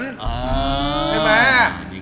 ใช่ไหม